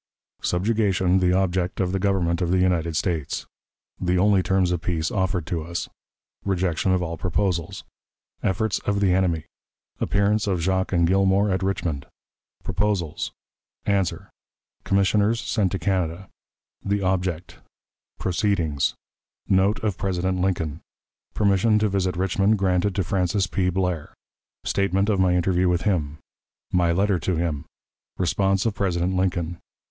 Subjugation the Object of the Government of the United States. The only Terms of Peace offered to us. Rejection of all Proposals. Efforts of the Enemy. Appearance of Jacques and Gilmore at Richmond. Proposals. Answer. Commissioners sent to Canada. The Object. Proceedings. Note of President Lincoln. Permission to visit Richmond granted to Francis P. Blair. Statement of my Interview with him. My Letter to him. Response of President Lincoln.